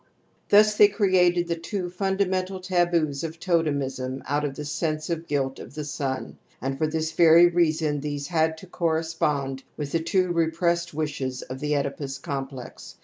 hus they created the two fundamei^t^l tabQos of totemism out of the sense of ^uiU of the son^ and for this very reason these had to correspond with the two repressed wishes of the Oedipu s complex.